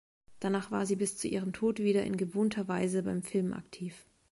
Danach war sie bis zu ihrem Tod wieder in gewohnter Weise beim Film aktiv.